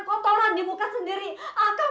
kotoran di muka sendiri akan